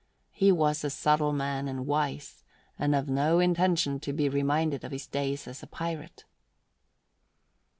He was a subtle man and wise, and of no intention to be reminded of his days as a pirate.